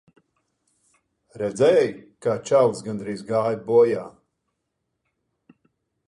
Redzēji, kā čalis gandrīz gāja bojā.